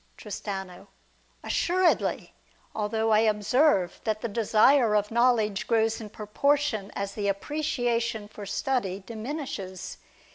i Tristano. Assuredly. I Although I observe that the desire of knowledge grows dn proportion as the apprecia ^ tion for study diminishes.